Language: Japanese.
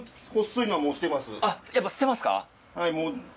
やっぱ捨てますか？